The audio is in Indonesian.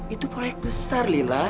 itu proyek besar lil